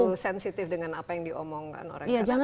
gak terlalu sensitif dengan apa yang diomongkan orang